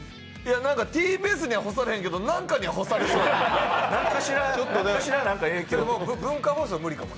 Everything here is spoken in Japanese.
ＴＢＳには干されへんけど何かには干されるよね。